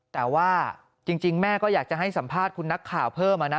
แต่ว่าจริงแม่ก็อยากจะให้สัมภาษณ์คุณนักข่าวเพิ่มนะ